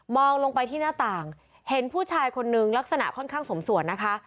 ลงไปที่หน้าต่างเห็นผู้ชายคนนึงลักษณะค่อนข้างสมส่วนนะคะ